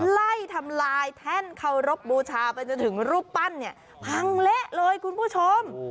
ไล่ทำลายแท่นเคารพบุชามันจะถึงลูบปั้นพังเละเลยคุณผู้ชม